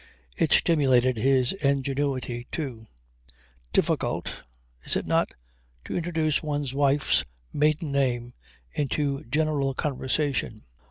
It stimulated his ingenuity too. Difficult is it not? to introduce one's wife's maiden name into general conversation.